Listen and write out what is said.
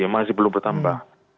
masih belum bertambah